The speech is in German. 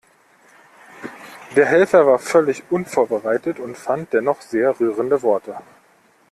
Der Helfer war völlig unvorbereitet und fand dennoch sehr rührende Worte.